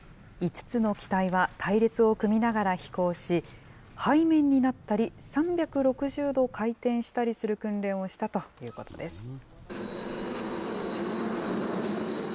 ５つの機体は隊列を組みながら飛行し、背面になったり、３６０度回転したりする訓練をしたということです。